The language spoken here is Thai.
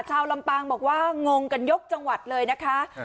ชาวลำปางบอกว่างงกันยกจังหวัดเลยนะคะ